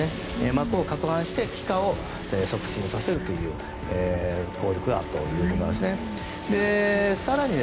膜をかくはんして気化を促進させるという効力があるということです。